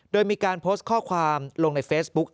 โดยมีการโพสต์ข้อความลงในเฟซบุ๊ก